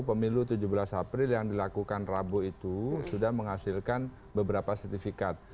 pemilu tujuh belas april yang dilakukan rabu itu sudah menghasilkan beberapa sertifikat